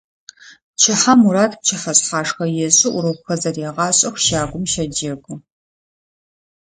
Пчыхьэм Мурат пчыхьэшъхьашхэ ешӏы, урокхэр зэрегъашӏэх, щагум щэджэгу.